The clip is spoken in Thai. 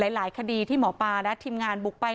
หลายคดีที่หมอปลาและทีมงานบุกไป